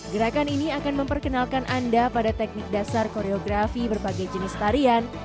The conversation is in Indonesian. gerakan ini akan memperkenalkan anda pada teknik dasar koreografi berbagai jenis tarian